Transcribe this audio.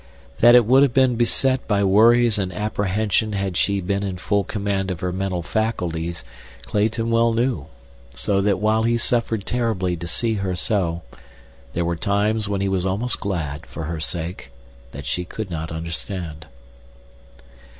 That it would have been beset by worries and apprehension had she been in full command of her mental faculties Clayton well knew; so that while he suffered terribly to see her so, there were times when he was almost glad, for her sake, that she could not understand.